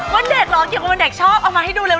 วันเด็กเหรอเกี่ยวกับวันเด็กชอบเอามาให้ดูเลย